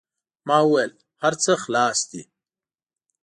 ما و ویل: هر څه خلاص دي.